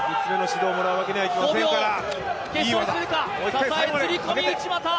支え釣り込み内股。